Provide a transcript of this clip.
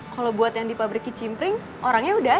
kalau buat yang di pabriki cimpring orangnya udah ada